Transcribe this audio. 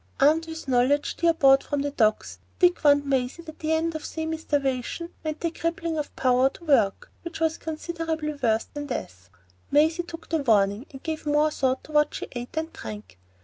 Armed with knowledge, dear bought from the Docks, Dick warned Maisie that the end of semi starvation meant the crippling of power to work, which was considerably worse than death. Maisie took the warning, and gave more thought to what she ate and drank.